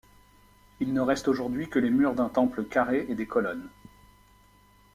Il ne reste aujourd'hui que les murs d'un temple carrés et des colonnes.